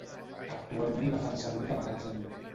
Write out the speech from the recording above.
Actualment la fan servir de magatzem.